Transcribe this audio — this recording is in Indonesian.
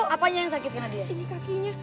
apanya yang sakit kanadiyah ini kakinya